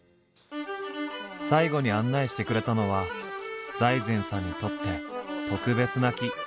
最後に案内してくれたのは財前さんにとって特別な木。